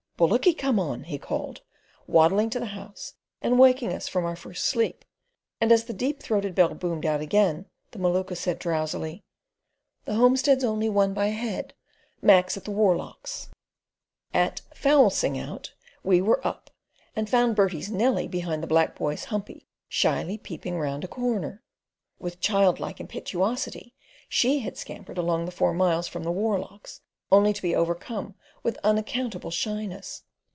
"Bullocky come on," he called, waddling to the house and waking us from our first sleep; and as the deep throated bell boomed out again the Maluka said drowsily: "The homestead's only won by a head. Mac's at the Warlochs." At "fowl sing out" we were up, and found Bertie's Nellie behind the black boys' humpy shyly peeping round a corner. With childlike impetuosity she had scampered along the four miles from the Warlochs, only to be overcome with unaccountable shyness.